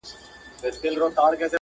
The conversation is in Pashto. ناول چي نه په انګريزي سبک او نه په